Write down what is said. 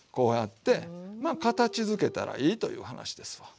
まあ形づけたらいいという話ですわ。